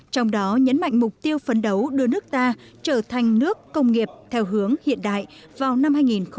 trong đó nhấn mạnh mục tiêu phấn đấu đưa nước ta trở thành nước công nghiệp theo hướng hiện đại vào năm hai nghìn ba mươi